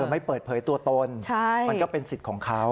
ไม่เปิดเผยตัวตนมันก็เป็นสิทธิ์ของเขา